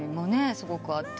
すごくあって。